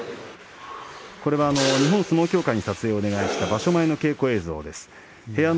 日本相撲協会に撮影をお願いした場所前の稽古映像です。